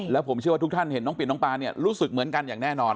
แล้วผมเชื่อว่าทุกท่านเห็นน้องปิ่นน้องปานเนี่ยรู้สึกเหมือนกันอย่างแน่นอน